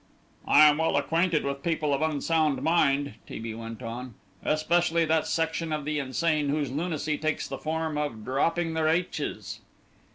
"I am well acquainted with people of unsound mind," T. B. went on, "especially that section of the insane whose lunacy takes the form of dropping their aitches."